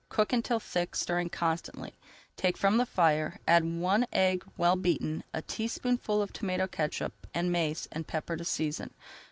Cook until thick, stirring constantly, take from the fire, add one egg well beaten, a teaspoonful of tomato catsup and mace and pepper to season.